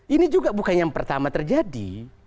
ini juga bukan yang pertama terjadi